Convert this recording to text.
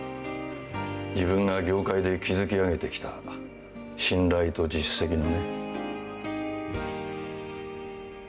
自分が業界で築き上げてきた信頼と実績のね。